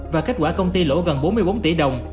và kết quả công ty lỗ gần bốn mươi bốn tỷ đồng